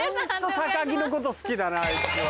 高木のこと好きだなあいつは。